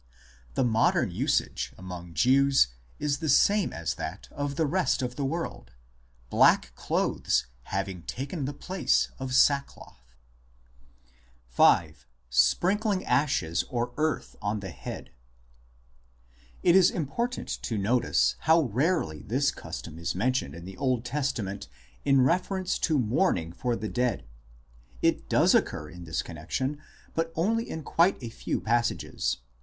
The modern usage among Jews is the same as that of the rest of the world, black clothes having taken the place of sackcloth, i V. SPRINKLING ASHES OR EARTH ON THE HEAD It is important to notice how rarely this custom is men tioned in the Old Testament in reference to mourning for the dead. It does occur in this connexion, but only in quite a few passages.